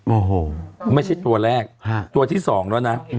โอ้โหไม่ใช่ตัวแรกตัวที่๒แล้วนะ